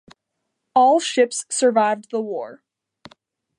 All ships survived the war.